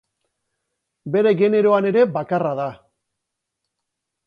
Bere generoan ere bakarra da.